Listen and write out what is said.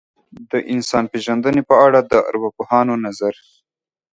د انسان پېژندنې په اړه د ارواپوهانو نظر.